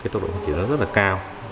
tốc độ phát triển rất là cao